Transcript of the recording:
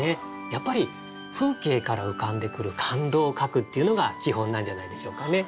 やっぱり風景から浮かんでくる感動を書くっていうのが基本なんじゃないでしょうかね。